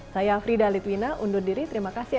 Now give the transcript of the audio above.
saya frida litwina undur diri terima kasih